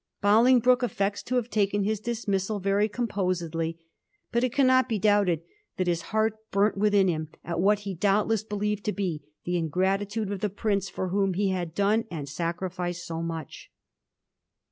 Bolingbroke affects to have taken his dismissal very composedly, but it cannot be doubted that his heart burnt within him at what he, doubtless, believed to be the ingratitude of the prince for whom he had done and sacrificed so much.